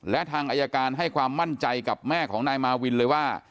และทางอายการให้ความมั่นใจกับแม่ของนายมาวินเลยว่า